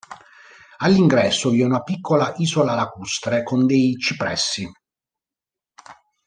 All'ingresso vi è una piccola isola lacustre con dei cipressi.